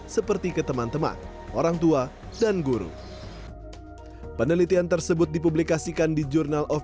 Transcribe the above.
seperti ke teman teman orangtua dan guru penelitian tersebut dipublikasikan di journal of